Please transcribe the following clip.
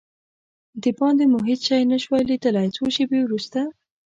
دباندې مو هېڅ شی نه شوای لیدلای، څو شېبې وروسته.